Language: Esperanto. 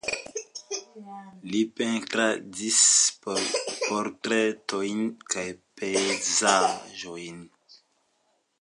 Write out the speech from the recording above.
Li pentradis portretojn kaj pejzaĝojn.